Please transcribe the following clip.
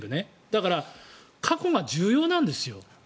だから、過去が重要なんですよ。